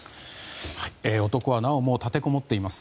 男はなおも立てこもっています。